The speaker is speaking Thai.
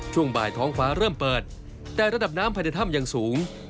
ช่วงบ่ายท้องฟ้าเริ่มเปิดแต่ระดับน้ำภายในถ้ำยังสูง